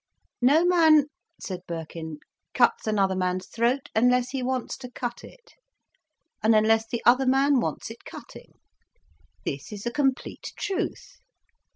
"No man," said Birkin, "cuts another man's throat unless he wants to cut it, and unless the other man wants it cutting. This is a complete truth.